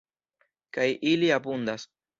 Kaj ili abundas….